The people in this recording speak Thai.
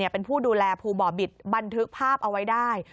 เป็นผู้ดูแลภูบ่อบิตบันทึกภาพเอาไว้ได้